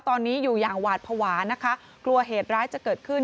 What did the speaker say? ตอนนี้อยู่อย่างหวาดภาวะนะคะกลัวเหตุร้ายจะเกิดขึ้น